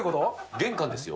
玄関ですよ。